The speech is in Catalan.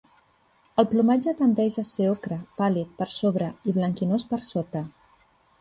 El plomatge tendeix a ser ocre pàl·lid per sobre i blanquinós per sota.